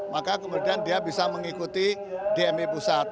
maka kemudian dia bisa mengikuti dmi pusat